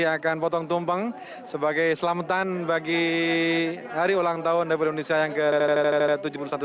yang akan potong tumpeng sebagai selamatan bagi hari ulang tahun republik indonesia yang ke tujuh puluh satu